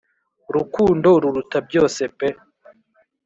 rukundo ruruta byose pe